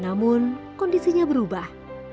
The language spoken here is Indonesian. namun kondisinya berubah